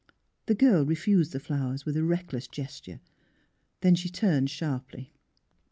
" The girl refused the flowers with a reckless gesture. Then she turned sharply.